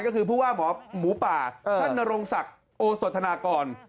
ก็คือผู้ว่าหมอหมูป่าท่านนรงศักดิ์โอสธนากร